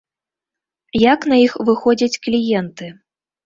Як на іх выходзяць кліенты?